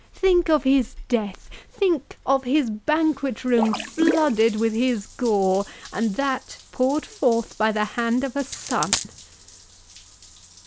—think of his death!—think of his banquet room flooded with his gore, and that poured forth by the hand of a son!"